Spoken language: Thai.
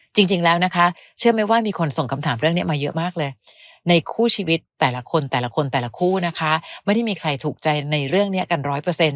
จริงแล้วนะคะเชื่อไหมว่ามีคนส่งคำถามเรื่องนี้มาเยอะมากเลยในคู่ชีวิตแต่ละคนแต่ละคนแต่ละคู่นะคะไม่ได้มีใครถูกใจในเรื่องนี้กันร้อยเปอร์เซ็น